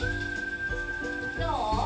どう？